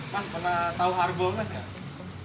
mas pernah tahu harbolnas nggak